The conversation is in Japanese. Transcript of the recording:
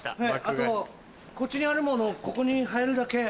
あとこっちにあるものをここに入るだけ。